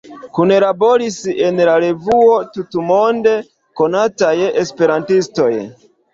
Kunlaboris en la revuo tutmonde konataj esperantistoj.